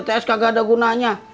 ngisi tts kagak ada gunanya